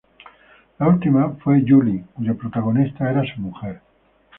La última fue Julie cuya protagonista era su mujer.